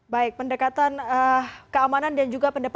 baik pendekatan keamanan dan juga pendekatan